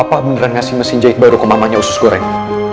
apa beneran ngasih mesin jahit baru ke mamanya usus goreng